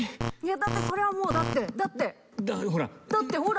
だってそれはもうだってだってほらほら。